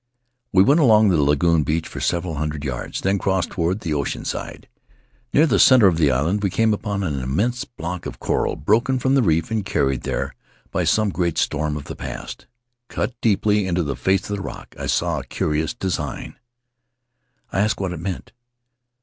We went along the lagoon beach for several hundred yards, then crossed toward the ocean side. Near the center of the island we came upon an immense block of coral broken from the reef and carried there by some great storm of the past. Cut deeply a j o into the face of the rock I saw a curious design : m I I I asked what it meant.